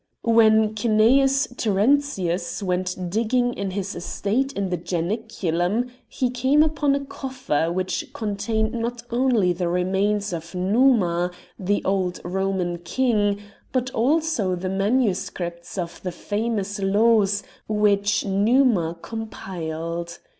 When Cneius Terentius went digging in his estate in the Janiculum he came upon a coffer which contained not only the remains of Numa, the old Roman king, but also the manuscripts of the famous laws which Numa compiled.